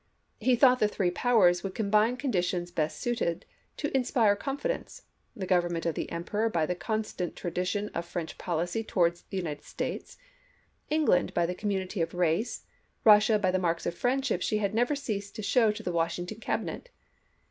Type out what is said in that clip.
He thought the three powers would combine conditions best suited to inspire confidence : the Government of the Emperor by the constant tradition of French policy towards the United States ; England by the community of race ; Russia by the marks of friendship she had never ceased to show to the Washington Cabinet.